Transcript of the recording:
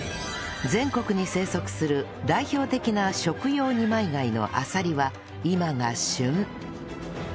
全国に生息する代表的な食用二枚貝のアサリは今が旬